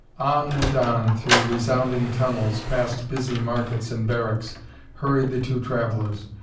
On and on through resounding tunnels, past busy markets and barracks, hurried the two travelers.